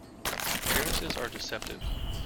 Appearances are deceptive.